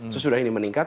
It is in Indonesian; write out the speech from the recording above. sesudah ini meningkat